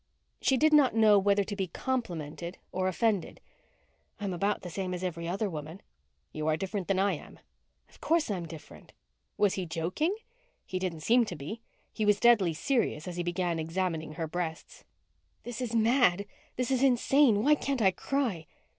She did not know whether to be complimented or offended. "I'm about the same as every other woman." "You are different than I am." "Of course I'm different." Was he joking? He didn't seem to be. He was deadly serious as he began examining her breasts. _This is mad. This is insane. Why can't I cry?